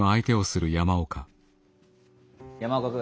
山岡君。